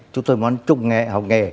chúng tôi muốn trung học nghề